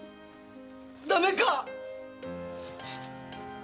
ダメか？